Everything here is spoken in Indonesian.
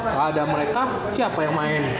kalau ada mereka siapa yang main